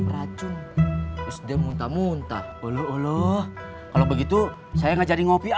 beracun sedih muntah muntah uluh kalau begitu saya nggak jadi ngopi ah